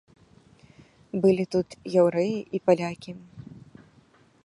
Былі тут яўрэі і палякі.